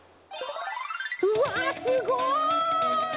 うわすごい！